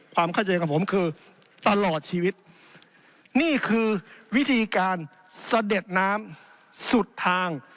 ความเข้าใจกับผมคือตลอดชีวิตนี่คือวิธีการเสด็จน้ำสุดทาง